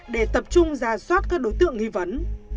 để tập trung ra xoát các đối tượng nghi vấn